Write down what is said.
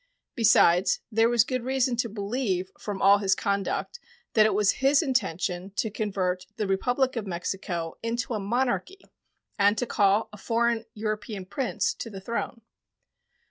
Besides, there was good reason to believe from all his conduct that it was his intention to convert the Republic of Mexico into a monarchy and to call a foreign European prince to the throne.